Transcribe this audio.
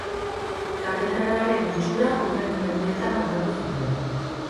Katedralaren itxura hurrengo mendeetan aldatu zuten.